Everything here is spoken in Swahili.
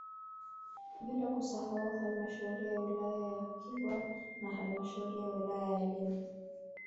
Bila kusahau Halmashauri ya wilaya ya Kilwa na halmashauri ya wilaya ya Lindi